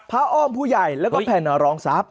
อ้อมผู้ใหญ่แล้วก็แผ่นรองทรัพย